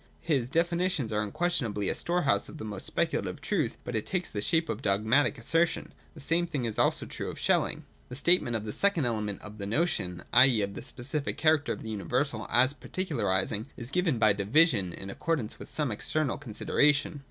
His definitions are unquestionably a storehouse of the most speculative truth, but it takes the shape of dogmatic assertions. The same thing is also true of Schelling. 230.] (/3) The statement of the second element of the notion, i.e. of the specific character of the universal as particularising, is given by Division in accordance with some external consideration.